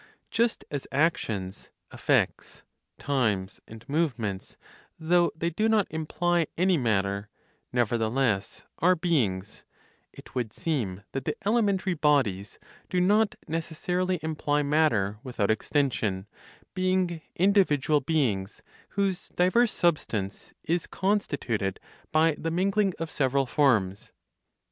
Just as actions, effects, times and movements, though they do not imply any matter, nevertheless are beings, it would seem that the elementary bodies do not necessarily imply matter (without extension), being individual beings, whose diverse substance is constituted by the mingling of several forms.